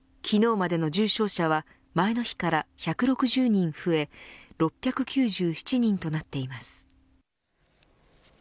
昨日までの重症者は前の日から１６０人増え６９７人となっています。